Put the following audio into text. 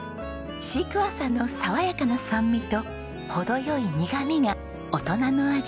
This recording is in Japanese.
シークワーサーの爽やかな酸味と程良い苦みが大人の味。